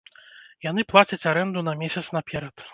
Яны плацяць арэнду на месяц наперад.